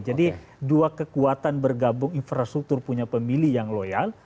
jadi dua kekuatan bergabung infrastruktur punya pemilih yang loyal